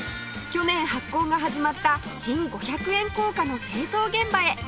去年発行が始まった新５００円硬貨の製造現場へ